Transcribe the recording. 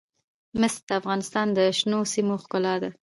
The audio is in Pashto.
مس د افغانستان د شنو سیمو ښکلا ده.